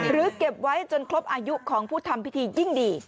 เก็บไว้จนครบอายุของผู้ทำพิธียิ่งดี